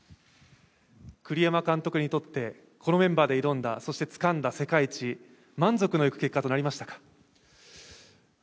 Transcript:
栗山監督にとって、このメンバーで挑んだ、そしてつかんだ世界一、満足いく結果となりましたか。